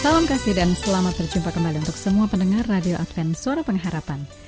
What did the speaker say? salam kasih dan selamat berjumpa kembali untuk semua pendengar radio advent suara pengharapan